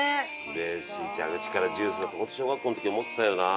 嬉しい蛇口からジュースなんてホント小学校の時思ってたよな。